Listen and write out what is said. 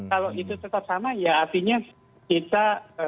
kalau itu tetap sama ya artinya kita